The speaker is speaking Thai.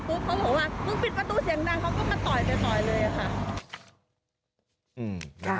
เพราะว่าปิดประตูเสียงด้านเขาก็มาต่อยไปต่อยเลยค่ะ